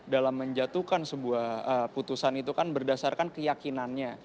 dalam menjatuhkan sebuah putusan itu kan berdasarkan keyakinannya